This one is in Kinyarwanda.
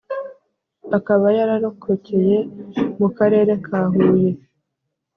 akaba yararokokeye mu Karere ka Huye